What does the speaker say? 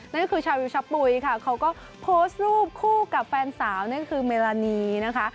นั่นก็คือชาววิวชะปุ๋ยค่ะเขาก็โพสต์รูปคู่กับแฟนสาวนั่นคือเมลานีนะคะ